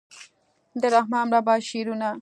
د رحمان بابا شعرونه